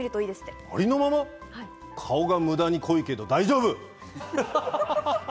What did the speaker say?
顔は無駄に濃いけど大丈夫。